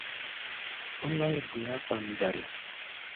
Ó nɔ̧́í̧ bu̧i̧á̧ kpamdal.